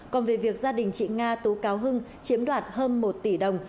còn về việc gia đình chị nga tố cáo hưng chiếm đoạt hơn một tỷ đồng